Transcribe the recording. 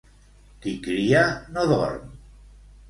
Qui cria no dorm.